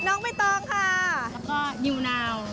น้องใบตองค่ะแล้วก็นิวนาว